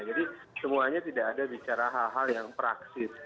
jadi semuanya tidak ada bicara hal hal yang praksis